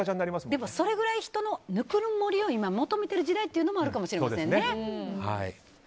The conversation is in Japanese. でも、それぐらい人のぬくもりを今、求めている時代というのもあるかもしれませんね。